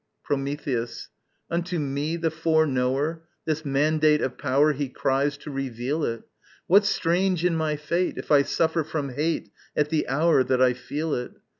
Prometheus. Unto me the foreknower, this mandate of power He cries, to reveal it. What's strange in my fate, if I suffer from hate At the hour that I feel it?